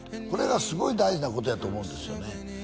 これがすごい大事なことやと思うんですよね